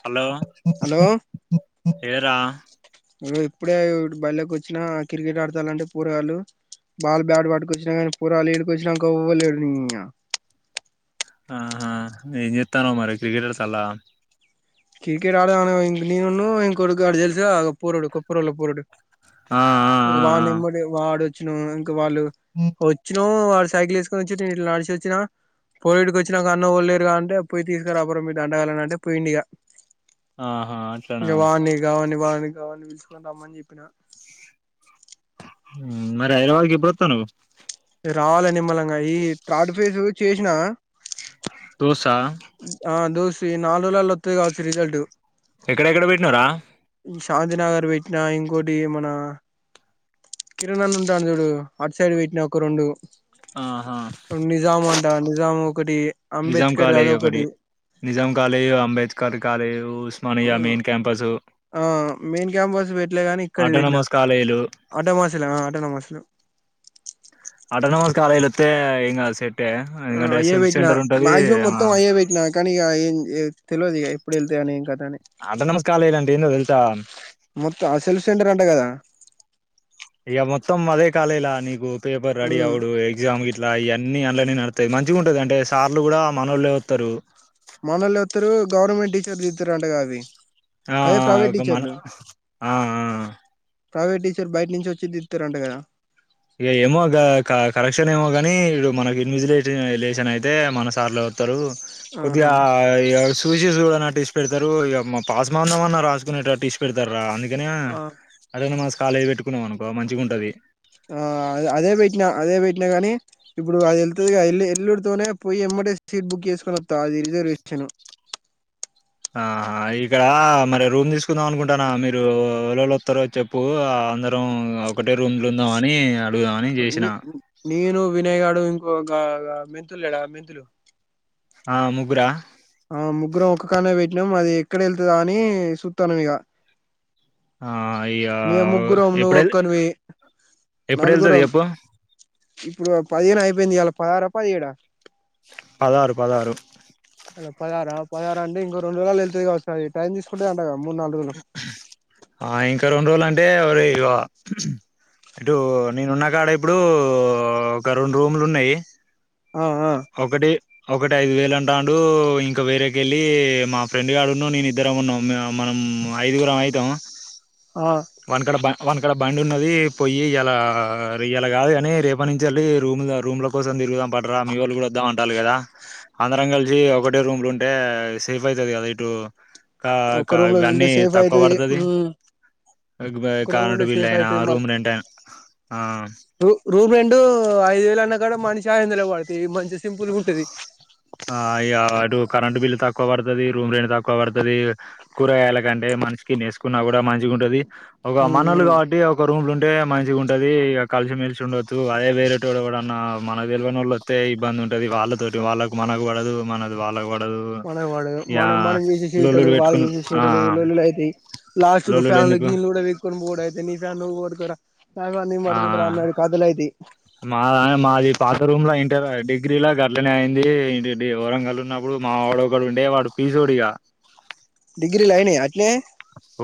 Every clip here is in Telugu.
హలో హలో ఏరా ఇగో ఇప్పుడే బళ్ళోకొచ్చినా వచ్చిన క్రికెట్ ఆడతానంటే పూరగాళ్లు. బాల్ బ్యాట్ పట్టుకొచ్చిన గానీ పొరగాళ్ళు ఇడకొచ్చినాకా ఎవల్ లేడు ఇన్యా ఆహా ఏం చెత్తనవ్ మరి క్రికెటర్స్ అలా క్రికెట్ ఆడదాం ఇంగ నేనును ఇంకొడు గాడు తెల్సుగా అగో పోరడు కుప్పరొళ్ళ పోరడు. ఆ ఆ ఆ వాని ఎమ్మడే వాడొచ్చినా ఇంక వాళ్ళు వచ్చి ను వాడు సైకిల్ ఎస్కొని వచ్చిటీ ఇట్ల ఆడేసొచ్చినా. పో ఈడకి వచ్చినక అన్న ఎవళ్లేరుగా అంటే పోయి తీస్కరా పొర మీ దండగాళ్ళని అంటే పోయిండు ఇగ ఆ ఆహా అట్లనా ఇగ వాన్ని గావన్నివ నీగవన్ని పిలుచుకొని రమ్మని జెప్పిన మ్ మరి హైదరాబాద్కి ఎప్పుడు వత్తనవ్ రావాలే నిమ్మలంగా ఈ థ్రర్డ్ ఫేజ్ చేసిన. తోస్ ఆ దోసి నాల్రోళ్ళల్ల వత్తది గావచ్చు రిజల్జు ఎక్కడెక్కడ పెట్టినవ్రా ఈ శాంతినగర్ వెట్టిన ఇంకోటి మన కిరణ్ అన్న ఉంటాడు చూడు అటు సైడ్ వెట్టినా ఒక రెండు ఆహా నిజాము అంట నిజాము నిజాం కాలేజ్ ఒకటి Nizam college Ambedkar college Osmania ఉమ్, మెయిన్ క్యాంపసు. ఆ మెయిన్ క్యాంపస్ పెట్టలే గాని ఇక్కడ పెట్టినా ఆటోనమస్ కాలేజీలు ఆటో నమాస్ ఆటో నమాస్ హ [unintelligible] అటోనమస్ కాలేజీలో వత్తే ఏం కాదు. ఉం ఎందుకంటే అయ్యే సెల్ఫ్ పెట్టినా సెంటర్ ఉంటది మాక్సిమం ఆ మొత్తం అయ్యే పెట్టినా కాని ఇగ తెలివదు ఇగ ఎప్పుడు వెళ్తే అని ఆటోనమస్ కాలేజీలు అంటే ఏందో తెలుసా మొత్త ఆ సెల్ఫ్ సెంటర్ అంటా కదా. ఇగ మొత్తం అదే కాలేజిలా నీకు పేపర్ రెడీ ఉమ్, అవుడు ఎక్సాము గిట్లా అయ్య అన్ని అన్లనే నడతాయి మంచిగా ఉంటది అంటే సార్లు కూడా మనోళ్లే వత్తరు. మనోళ్లే వత్తరు గవర్నమెంట్ టీచర్స్ దిద్దుతరు అంటగా అవి ఆ అదే ఆ ప్రైవేట్ ఒక మన టీచర్లు ఆ ఆ ప్రైవేట్ టీచర్ బయట నుంచి వచ్చిదిదుతారంట కదా. ఇగ ఏమో గా క కరెక్షన్ ఏమోగానీ ఇడు మనకి ఇన్విజిలేష లేషన్ అయితే మన సార్లే వత్తరు. కొద్దిగ ఆహా ఇగ సూసి సుడ నట్టు పెడతారు ఇగ పాస్ మాందమన్న రాసుకునేట ట్టు ఇడిసి పెడతారు అందుకనే ఆ అటానమస్ కాలేజీ పెట్టుకున్నాం అనుకో మంచిగా ఉంటది. ఆ అదే పెట్టిన అదే పే అంటే కాని ఇప్పుడు అది వెళ్తుంది ఎల్లుడితోనే పోయి ఎమ్మటే సీట్ బుక్ చేసుకుని అది రిజర్వేషన్ [unintelligible] ను [inaudible] ఆ ఇక్కడ మరి రూమ్ తీసుకుందాం అనుకుంటానా మీరు ఎవరు ఎవరు వత్తరో చెప్పు అందరం ఒకటే రూమ్లో ఉందాం అని నే నేను వినయ్ గాడు ఇంకోక మెంతులు లేడా మెంతులు ఆ ముగ్గురా ఆ ముగ్గురం ఒక్క కానే పెట్టినాము అది ఎక్కడ వెళ్తదా అని చూస్తానం ఇక ఆ ఇగ నువ్వు ఎప్పుడ్ వేల్ ఒక్కనివి ఎప్పుడు వెళ్తది నలుగురం చెప్పు ఇప్పుడు పదిహేను అయిపోయింది ఇయాలా పదహార పదిహేడా పదహారు పదహారు లా పదహారు పదహారు అంటే ఇంకో రెండు రోజుల లో వెళ్తతి కావచ్చు అది టైం తీసుకుంటది అంటగా ఆ ఇంకా రెండు రోజులు అంటే ఇటు నేనున్నా కాడ ఇప్పుడు ఒక రెండు రూమ్లు ఉన్నాయి ఆ ఆ ఒకటి ఒకటి ఐదు వేలు అంటండు ఇంకా వేరేకెళ్లి మా ఫ్రెండ్ గాడున్నం నేను ఇద్దరం వున్నం మనం అయిదుగురం అయితం ఆ వాని కాడ బ వాని కాడ బండి ఉన్నది పోయి ఇయాలా ఇయాలా కాదు కాని రేపటి నుంచి వెళ్ళీ రూమ్ రూమ్ల కోసం తిరుగుదాం ప మీ వాళ్ళు కూడా వద్దాం అంటాలు కదా అందరం కలిసి ఒకటే రూమ్లు ఉంటే సేఫ్ అయితుది కదా ఇటు కా ఒక్క కా రూమ్ లో ఉంటే ఇవన్నీ సేఫ్ తక్కువ అయితది పడుతుది మ్మ్ ఒక రూమ్ కరెంట్ ఉంటే బిల్ సేఫ్ అయినా ఆ అయితది మళ్ రూమ్ రెంట్ అయినా ఆ రూ రూమ్ రెండు ఐదు వేలు అన్నా కాడ మనిషి చాయందుల వాడుతు మంచి సింపుల్ ఉంటది ఆ ఇగ అటు [unintelligible] కరెంటు బిల్లు తక్కువ పడుతది రూమ్ రెంట్ తక్కువ పడుతది కూరగాయాల కంటే మనషికి ఇన్ని ఏసుకున్నా కూడా మంచిగా ఉంటది ఒక మనోల్లు కాబట్టి ఒక రూమ్లు ఉంటే మంచిగా ఉంటది ఇక కలిసి మెలిసి ఉండొచ్చదు అదే వేరేటోడు ఎవరన్నా మనకు తెలివని వొళ్ళు వస్తే ఇబ్బంది ఉంటది వాళ్ళతోటి వాళ్ళకు మనక పడదు మనది వాళ్ళకు పడదు మన వాడ ఇగ మనం మనం చేసే లొల్లులు సీటలు వాళ్ళు పెట్టుకును చేసే ఆ సూటలు లోల్లిలైతయ్ లాస్టుకు లొల్లులు ఫ్యామ్ ఎందుకు గీలుడ పీక్కొన్ బోడాయితే ని ఫ్యాన్ నువ్ వట్కార ఆ మాయ్ మాయి పాత రూమ్లా ఇన్ డిగ్రీ లా గట్లానే అయింది ఏంటి బి వరంగల్ ల ఉన్నప్పుడు మా వోడు ఒకడు ఉండే వాడు పీజీ ఓడిగా డిగ్రీ లైనై అట్నే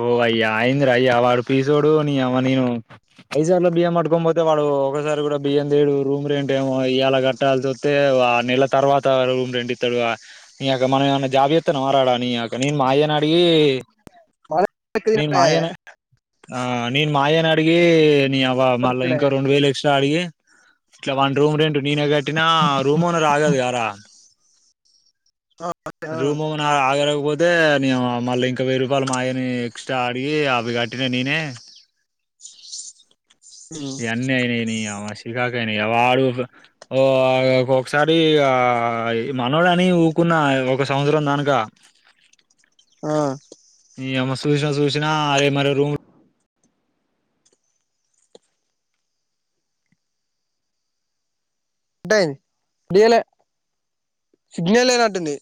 ఓ అయ్యా అయింద్రయ్యా వాడు పీసోడు నీఅవ్వ నేను ఐసార్లో బియ్యం పట్టుకోని పోతే వాడు ఒకసారి కూడా బియ్యం తేడు రూమ్ రెంట్ ఏమో ఇయ్యాల కట్టాల్స్ ఒత్తె ఓ ఆర్ నెల్ల తర్వాత రూమ్ రెంట్ ఇత్త వా నీ అక్క మన ఎమన్నా జాబ్ చేత్తన్నమారా ఆడ నీ అక్క నేన్ మా అయ్యనడిగీ మన [inaudible] హినమయే ఆ నేను మా అయ్య నడిగి నీ అవ్వ మళ్ళా ఇంకా రెండు వేలు ఎక్స్ట్రా అడిగి ఇట్లా వన్ రూమ్ రెండు నేన కట్టినా రూమ్ ఓనర్ ఆగదు గారా అ రూమ్ ఓన ఆగరకపోతే నీ అవ్వ మళ్ళీ ఇంకా వెయ్యి రూపాయలు మాయని ఎక్స్ట్రా ఆడిగి అవిగ కట్టిన నీనే ఇ అన్నీ అయినాయ్ నీ అవ్వ షికాక్ అయి నీ అవ్వ ఆడు ఓ ఒకోక్సారి ఆ మనోడని ఊకున్న ఒక సంవత్సరం దానుక ఆ నీ అవ్వ చూసిన చూసిన అరే మరి రూమ్ డైంది డియాలే సిగ్నల్ లేదంటుంది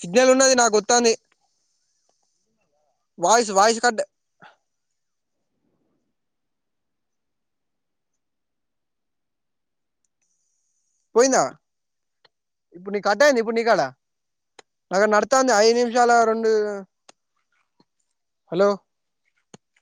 సిగ్నల్ ఉన్నది నాక్ ఒత్తాంది వయిస్ వయిస్ కట్టే పోయిందా ఇప్పుడు నీ కట్టైంద ఇప్పుడు నీకాడా అద నడతాంది ఐదు నిమిషాల రెండు హలో